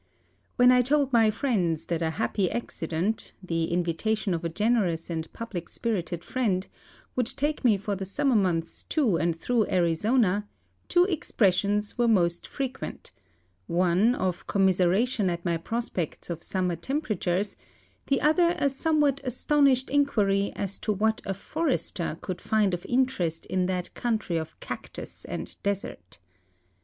When I told my friends that a happy accident — tiie invitation of a generous and public spirited friend — would take me for tlie summer months to and through Arizona, two exjiressions were most frequent: one of commiseration at my prospects of sum mer temperatures, the other a somewhat astonished inquiry as to what a forester could find of interest in that country of cactus and desert.